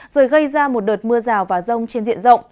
rồi gây ra một đợt mưa rào và rông trên diện rộng